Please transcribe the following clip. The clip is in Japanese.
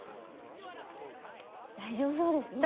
大丈夫そうですね